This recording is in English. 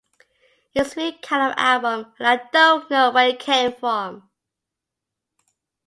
It's a sweet kind of album and I don't know where it came from.